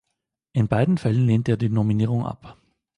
In beiden Fällen lehnte er die Nominierung ab.